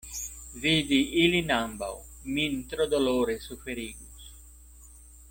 Vidi ilin ambaŭ min tro dolore suferigus.